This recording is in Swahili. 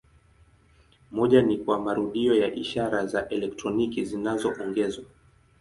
Moja ni kwa marudio ya ishara za elektroniki zinazoongezwa.